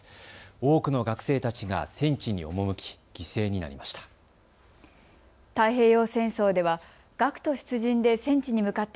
多くの学生たちが戦地に赴き犠牲になりました。